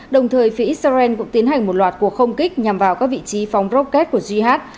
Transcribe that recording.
đồng thời phía israel cũng tiến hành một loạt cuộc không kích nhằm vào các vị trí phóng rocket của jihad